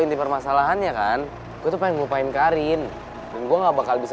inti permasalahannya kan gue pengen ngelupain karin gue enggak bakal bisa